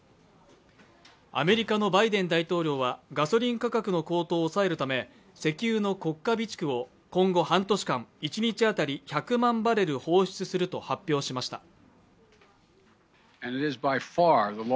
アメリカのバイデン大統領はガソリン価格の高騰を抑えるため石油の国家備蓄を今後半年間一日当たり１００万バレル放出すると発表しました。